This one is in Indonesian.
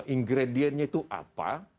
ingredientnya itu apa